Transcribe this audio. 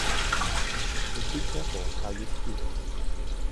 But be careful how you speak